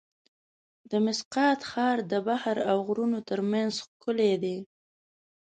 د مسقط ښار د بحر او غرونو ترمنځ ښکلی دی.